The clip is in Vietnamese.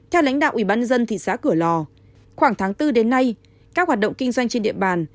theo lãnh đạo ủy ban dân thị xã cửa lò khoảng tháng bốn đến nay các hoạt động kinh doanh trên địa bàn